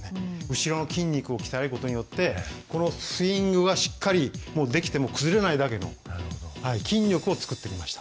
後ろの筋肉を鍛えることによってこのスイングはしっかりできても崩れないだけの筋力を作ってきました。